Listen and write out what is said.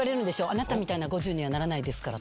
「あなたみたいな５０にはならないですから」